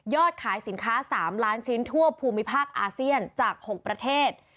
ขายสินค้า๓ล้านชิ้นทั่วภูมิภาคอาเซียนจาก๖ประเทศ